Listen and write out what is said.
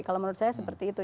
kalau menurut saya seperti itu